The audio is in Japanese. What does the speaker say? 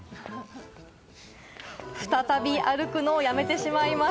再び歩くのをやめてしまいます。